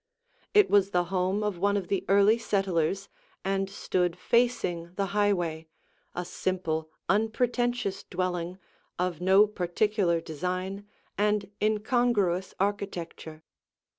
It was the home of one of the early settlers and stood facing the highway, a simple, unpretentious dwelling of no particular design and incongruous architecture.